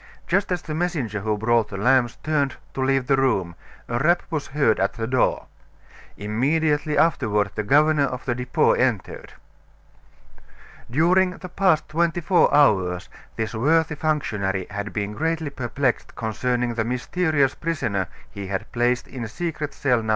Just as the messenger who brought the lamps turned to leave the room, a rap was heard at the door. Immediately afterward the governor of the Depot entered. During the past twenty four hours this worthy functionary had been greatly perplexed concerning the mysterious prisoner he had placed in secret cell No.